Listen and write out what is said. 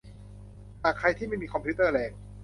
หากใครที่ไม่มีคอมพิวเตอร์แรง